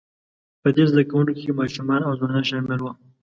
په دې زده کوونکو کې ماشومان او ځوانان شامل وو،